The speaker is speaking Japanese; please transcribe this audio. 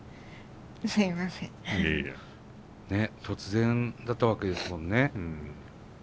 突然だったわけですもんね。